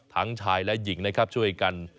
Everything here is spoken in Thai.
ทางชายและหญิงช่วยกัน